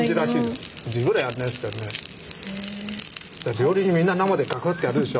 料理人みんな生でバクッてやるでしょ。